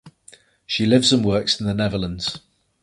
She lives and works in the Netherlands.